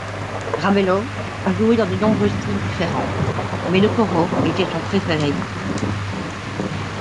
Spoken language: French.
Rabello a joué dans de nombreux styles différents, mais le choro était son préféré.